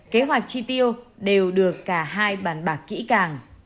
kế hoạch chi tiêu đều được cả hai bàn bạc kỹ càng